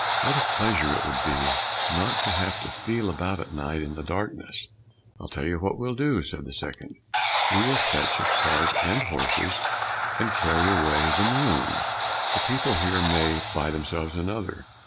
What a pleasure it would be not to have to feel about at night in the darkness!" "I'll tell you what we'll do," said the second; "we will fetch a cart and horses and carry away the moon. The people here may buy themselves another."